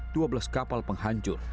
dua belas kapal penghancur